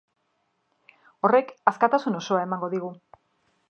Horrek askatasun osoa ematen digu.